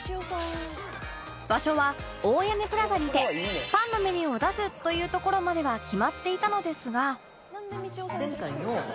場所は大屋根プラザにてパンのメニューを出すというところまでは決まっていたのですが